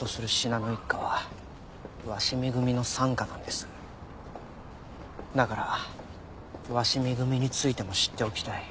だから鷲見組についても知っておきたい。